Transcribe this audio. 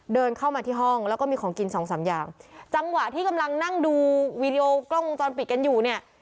เดินเข้ามาที่ห้องแล้วก็มีของกินสองสามอย่างจังหวะที่กำลังนั่งดูวีดีโอกล้องวงจรปิดกันอยู่เนี่ย